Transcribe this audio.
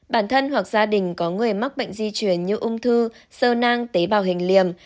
bản thân hoặc gia đình có người mắc bệnh di chuyển như ung thư sơ nang tế bào hình liềm